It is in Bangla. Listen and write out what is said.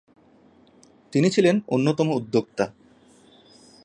তিনি ছিলেন অন্যতম উদ্যোক্তা।